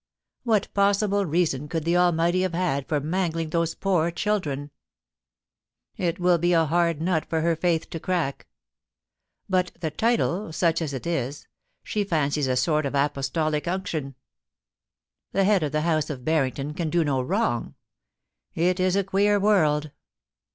What possible reason could the Almighty have had for mangling those poor children ? It will be a hard nut for her faith to crack ; but the title, such as it is, she fancies a sort of Apostolic unction. The head of the house of Harrington can do no wrong. ... It is a queer world